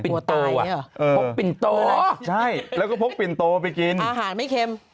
แล้วพกปิ่นโตอ่ะพกปิ่นโตอะไรใช่แล้วก็พกปิ่นโตไปกินอาหารไม่เค็ม